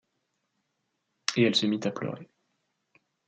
Et elle se mit à pleurer.